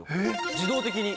自動的に。